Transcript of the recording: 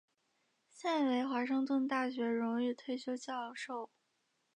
现为华盛顿大学荣誉退休教授。